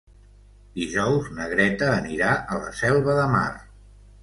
Dijous na Greta anirà a la Selva de Mar.